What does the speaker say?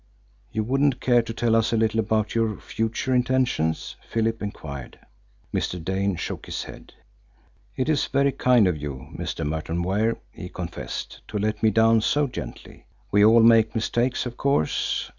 "You wouldn't care to tell us a little about your future intentions?" Philip enquired. Mr. Dane shook his head. "It is very kind of you, Mr. Merton Ware," he confessed, "to let me down so gently. We all make mistakes, of course.